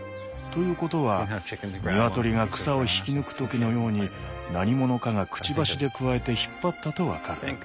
ということはニワトリが草を引き抜く時のように何ものかがクチバシでくわえて引っ張ったと分かる。